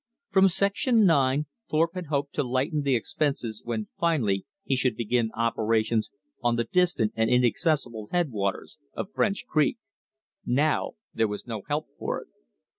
From section nine Thorpe had hoped to lighten the expenses when finally he should begin operations on the distant and inaccessible headwaters of French Creek. Now there was no help for it.